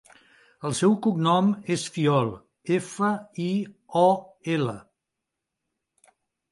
El seu cognom és Fiol: efa, i, o, ela.